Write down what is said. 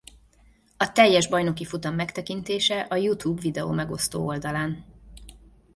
A teljes bajnoki futam megtekintése a YouTube videómegosztó oldalán